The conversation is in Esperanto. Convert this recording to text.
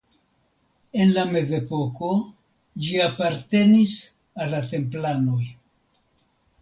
En la Mezepoko ĝi apartenis al la Templanoj.